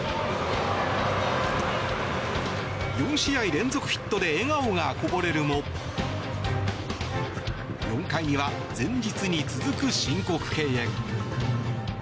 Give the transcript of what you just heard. ４試合連続ヒットで笑顔がこぼれるも４回には前日に続く申告敬遠。